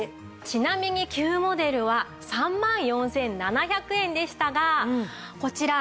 ちなみに旧モデルは３万４７００円でしたがこちら